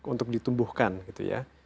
untuk ditumbuhkan gitu ya